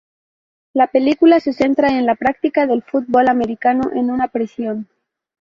La película se centra en la práctica del fútbol americano en una prisión.